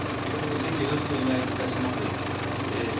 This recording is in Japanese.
ぜひよろしくお願いいたします。